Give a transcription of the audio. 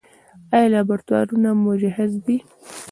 آیا لابراتوارونه مجهز دي؟